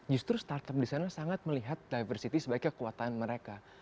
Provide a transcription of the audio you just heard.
justru startup di sana sangat melihat diversity sebagai kekuatan mereka